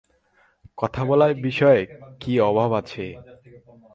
কথা বলার বিষয়ের কি অভাব আছে?